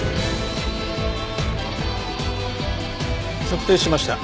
測定しました。